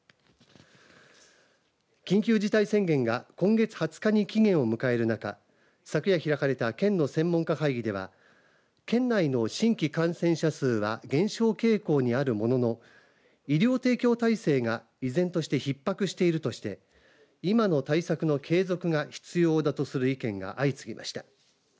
緊急事態宣言が今月２０日に期限を迎える中昨夜開かれた県の専門家会議では県内の新規感染者数は減少傾向にあるものの医療提供体制が依然としてひっ迫しているとして今の対策の継続が必要だとする意見が相次ぎました。